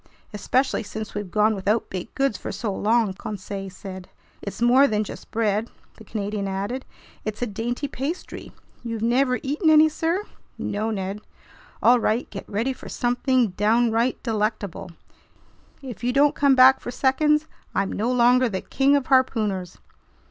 "Especially since we've gone without baked goods for so long," Conseil said. "It's more than just bread," the Canadian added. "It's a dainty pastry. You've never eaten any, sir?" "No, Ned." "All right, get ready for something downright delectable! If you don't come back for seconds, I'm no longer the King of Harpooners!"